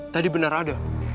tadi benar ada